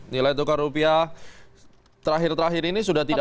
nilai tukar rupiah terakhir terakhir ini sudah tidak